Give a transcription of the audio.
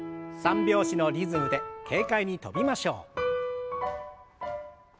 ３拍子のリズムで軽快に跳びましょう。